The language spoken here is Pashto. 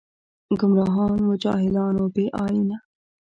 ګمراهان و جاهلان و بې ائينه